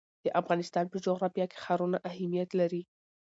د افغانستان په جغرافیه کې ښارونه اهمیت لري.